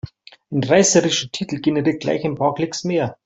Ein reißerischer Titel generiert gleich ein paar Klicks mehr.